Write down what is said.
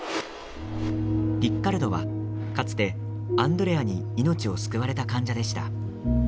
リッカルドはかつてアンドレアに命を救われた患者でした。